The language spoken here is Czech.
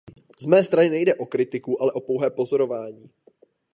Z mé strany nejde o kritiku, ale o pouhé pozorování.